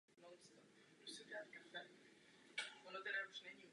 Oba areály byly ve své době propojeny.